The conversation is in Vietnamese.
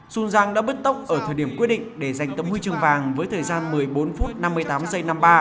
xuân giang đã bứt tốc ở thời điểm quyết định để giành tấm huy chương vàng với thời gian một mươi bốn năm mươi tám năm mươi ba